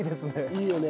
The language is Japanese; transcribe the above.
いいよね。